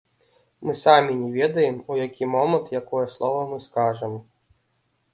Мы самі не ведаем, у які момант якое слова мы скажам.